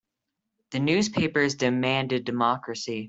The newspapers demanded democracy.